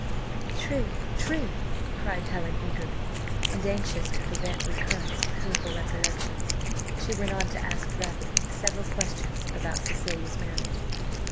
"True, true," cried Helen eagerly; and anxious to prevent recurrence to painful recollections, she went on to ask rapidly several questions about Cecilia's marriage.